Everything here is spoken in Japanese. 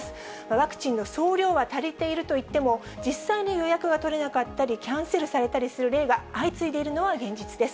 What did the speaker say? ワクチンの総量は足りているといっても、実際に予約が取れなかったり、キャンセルされたりする例が相次いでいるのは現実です。